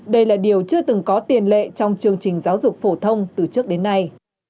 đây là điều chưa từng có tiền lệ trong chương trình giáo dục phổ thông từ trước đến nay